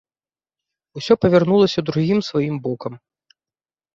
Усё павярнулася другім сваім бокам.